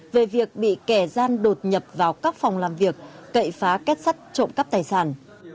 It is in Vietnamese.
về việc bị kẻ gian đột nhập vào các phòng làm việc cậy phá kết sắt trộm cắp tài sản